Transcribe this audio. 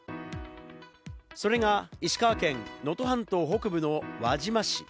それが石川県能登半島北部の輪島市。